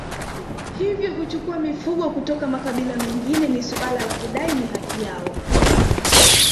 Hivyo huchukua mifugo kutoka makabila mengine ni suala la kudai ni haki yao